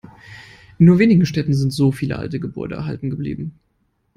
In nur wenigen Städten sind so viele alte Gebäude erhalten geblieben.